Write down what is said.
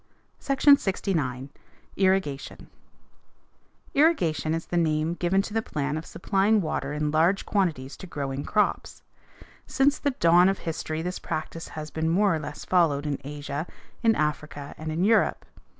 SECTION LXIX. IRRIGATION Irrigation is the name given to the plan of supplying water in large quantities to growing crops. Since the dawn of history this practice has been more or less followed in Asia, in Africa, and in Europe.